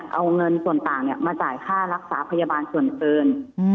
เอาเงินส่วนต่างมาจ่ายค่ารักษาพยาบาลส่วนเกิน